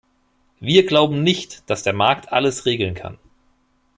Wir glauben nicht, dass der Markt alles regeln kann.